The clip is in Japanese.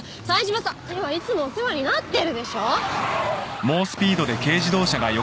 冴島さんにはいつもお世話になってるでしょ？